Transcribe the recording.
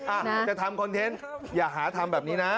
อ่ะจะทำคอนเทนต์อย่าหาทำแบบนี้นะ